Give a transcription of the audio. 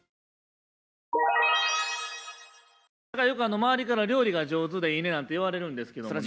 よく周りから料理が上手でいいねとか言われるんですけど。